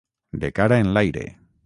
De cara enlaire.